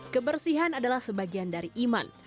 kebersihan adalah sebagian dari iman